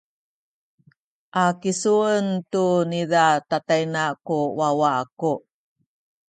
a kisuen tu niza tatayna ku wawa aku.